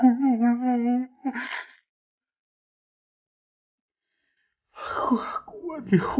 kepada mend targeting